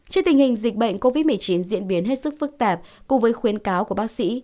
trước tình hình dịch bệnh covid một mươi chín diễn biến hết sức phức tạp cùng với khuyến cáo của bác sĩ